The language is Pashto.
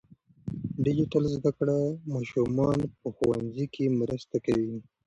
ډیجیټل زده کړه ماشومان په ښوونځي کې مرسته کوي.